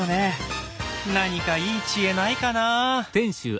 何かいい知恵ないかな。